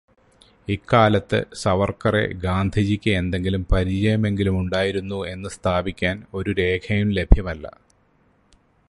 ഇക്കാലത്ത് സവർക്കറെ ഗാന്ധിജിയ്ക്ക് എന്തെങ്കിലും പരിചയമെങ്കിലുമുണ്ടായിരുന്നു എന്നു സ്ഥാപിക്കാൻ ഒരു രേഖയും ലഭ്യമല്ല.